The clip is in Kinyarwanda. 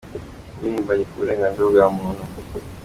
Impirimbanyi ku burenganzira bwa muntu, Dr.